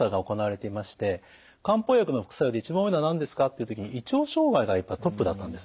漢方薬の副作用で一番多いのは何ですかという時に胃腸障害がトップだったんです。